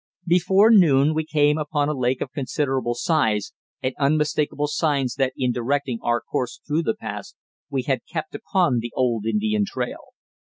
Before noon we came upon a lake of considerable size and unmistakable signs that in directing our course through the pass we had kept upon the old Indian trail.